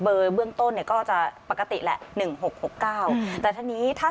เบอร์เบื้องต้นก็จะปกติแหละ๑๖๖๙